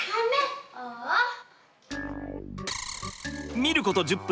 見ること１０分。